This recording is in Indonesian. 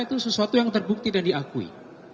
itu sesuatu yang terbukti dan diakui